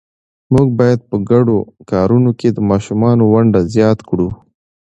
موږ باید په ګډو کارونو کې د ماشومانو ونډه زیات کړو